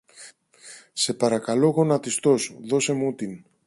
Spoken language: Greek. σε παρακαλώ γονατιστός, δώσε μου την